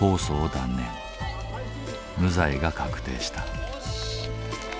無罪が確定した。